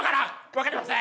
わかりません！